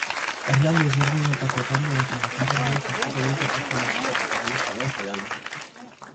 Herrialde ezberdinetako talde eta bakarlariek hartuko dute parte musika protagonista den jaialdian.